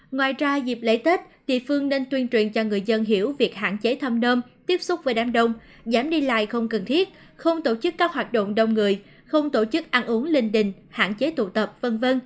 ngoài ra dịp lễ tết địa phương nên tuyên truyền cho người dân hiểu việc hạn chế thăm nơm tiếp xúc với đám đông giảm đi lại không cần thiết không tổ chức các hoạt động đông người không tổ chức ăn uống linh đình hạn chế tụ tập v v